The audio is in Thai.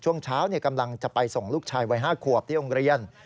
ช่วงเช้ากำลังจะไปส่งลูกชายวัย๕ขวบที่โรงเรียน